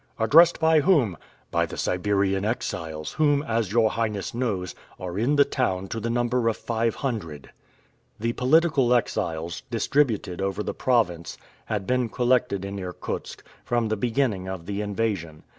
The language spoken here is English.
"Addressed by whom?" "By the Siberian exiles, whom, as your Highness knows, are in the town to the number of five hundred." The political exiles, distributed over the province, had been collected in Irkutsk, from the beginning of the invasion.